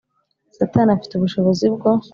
Satani afite ubushobozi bwo